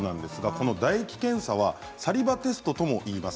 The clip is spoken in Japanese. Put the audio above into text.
この唾液検査はサリバテストともいいます。